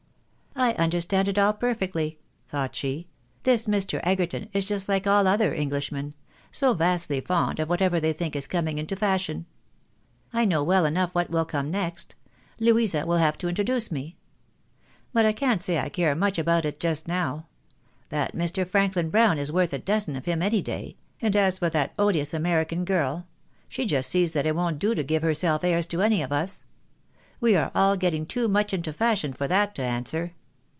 " I understand it all perfectly," thought she. " This ilr. Egerton is just like all other Englishmen — so vastly fond of what ever they think is coming into fashion. I know well enough what will come next ; Louisa will have to introduce me. But I can't say I care much about it just now. That Mr. Franklin Brown is worth a dozen of him any day ; and as for that odious American girl ! she just sees that it won't do to give herself airs to any of us. We are all getting too much into fashion for that to answer.